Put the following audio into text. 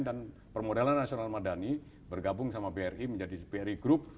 dan permodalan nasional madani bergabung sama bri menjadi bri group